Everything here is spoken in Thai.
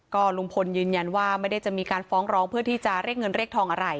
ก็ลุงพลยืนยันว่าไม่ได้จะมีการฟ้องร้องเพื่อที่จะเรียกเงินเรียกทองอะไร